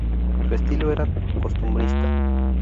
Su estilo era costumbrista.